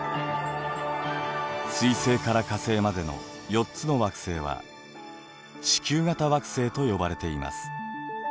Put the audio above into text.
水星から火星までの４つの惑星は地球型惑星と呼ばれています。